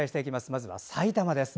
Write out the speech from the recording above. まずは埼玉です。